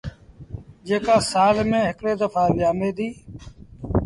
جيڪآ سآل ميݩ هڪڙي دڦآ ويٚآمي ديٚ۔